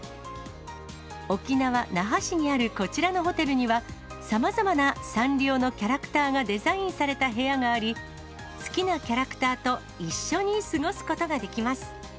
沖縄・那覇市にあるこちらのホテルには、さまざまなサンリオのキャラクターがデザインされた部屋があり、好きなキャラクターと一緒に過ごすことができます。